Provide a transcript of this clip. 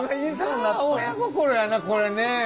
これね。